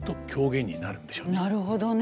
なるほどね。